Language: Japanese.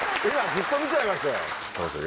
ずっと見ちゃいましたよ坂口さん